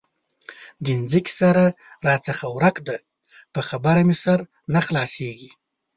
د ځمکې سره راڅخه ورک دی؛ په خبره مې سر نه خلاصېږي.